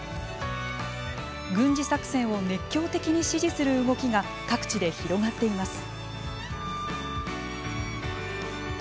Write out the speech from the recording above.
軍事作戦を熱狂的に支持する動きが各地で広がっています。